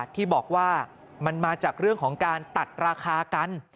ที่บอกว่ามันมาจากเรื่องของการตัดราคากัน